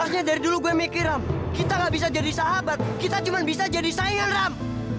asnya dari dulu gue mikir ram kita ga bisa jadi sahabat kita cuma bisa jadi saingan ram